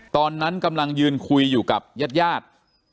ตอนนั้นกำลังยืนคุยอยู่กับญาติญาติ